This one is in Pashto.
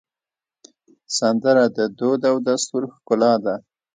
سندره د دود او دستور ښکلا ده